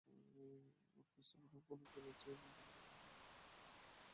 আমার প্রস্রাবের রঙ অনেকটা লালচে আর অনেক গন্ধ হয়।